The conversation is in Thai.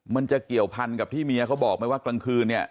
มันจะเกี่ยวพันกับที่เมียเขาบอกไหมว่ากลางคืนเนี่ย